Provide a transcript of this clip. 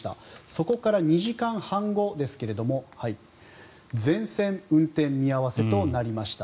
そこから２時間半後ですが全線運転見合わせとなりました。